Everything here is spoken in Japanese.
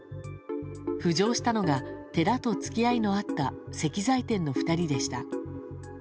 浮上したのが寺と付き合いのあった石材店の２人でした。